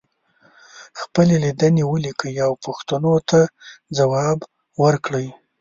خپلې لیدنې ولیکئ او پوښتنو ته ځواب ورکړئ.